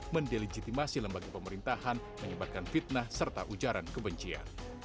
mendelegitimasi lembaga pemerintahan menyebabkan fitnah serta ujaran kebencian